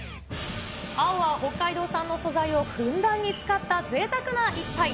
青は北海道産の素材をふんだんに使ったぜいたくな一杯。